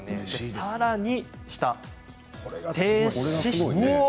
さらに下、低脂質。